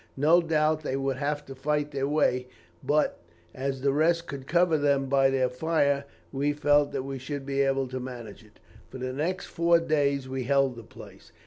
No doubt they would have to fight their way, but, as the rest could cover them by their fire, we felt that we should be able to manage it. For the next four days we held the place.